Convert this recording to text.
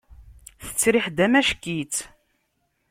Tettriḥ-d amack-itt.